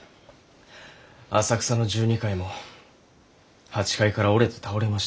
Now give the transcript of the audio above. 浅草の十二階も８階から折れて倒れました。